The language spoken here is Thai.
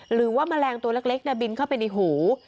หรือว่ามะแรงตัวเล็กบินเข้าไปในหู